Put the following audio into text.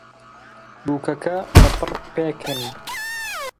بووکەکە لەپڕ پێکەنی.